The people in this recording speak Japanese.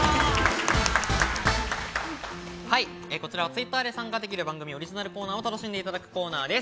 Ｔｗｉｔｔｅｒで参加できる番組オリジナルのゲームを楽しんでいただくコーナーです。